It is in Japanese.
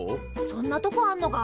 そんなとこあんのか？